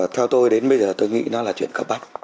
theo tôi đến bây giờ tôi nghĩ nó là chuyện cấp bắt